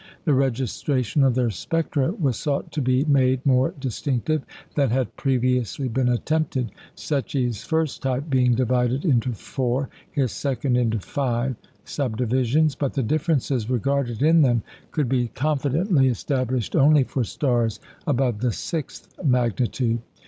The registration of their spectra was sought to be made more distinctive than had previously been attempted, Secchi's first type being divided into four, his second into five subdivisions; but the differences regarded in them could be confidently established only for stars above the sixth magnitude.